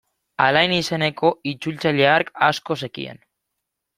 Alain izeneko itzultzaile hark asko zekien.